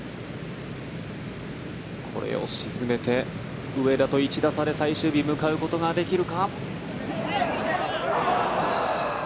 これを沈めて上田と１打差で最終日、向かうことができるか。